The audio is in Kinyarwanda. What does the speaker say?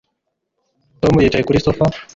Tom yicaye kuri sofa